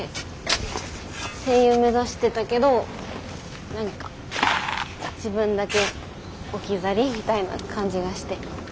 声優目指してたけど何か自分だけ置き去りみたいな感じがして。